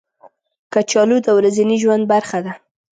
کچالو د ورځني ژوند برخه ده